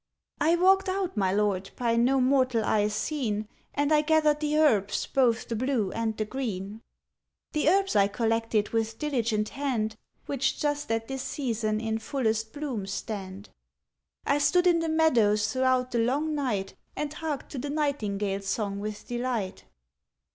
ŌĆØ ŌĆ£I walked out, my lord, by no mortal eye seen, And I gathered the herbs both the blue and the green. ŌĆ£The herbs I collected with diligent hand, Which just at this season in fullest bloom stand. ŌĆ£I stood in the meadows throughout the long night, And harked to the nightingaleŌĆÖs song with delight.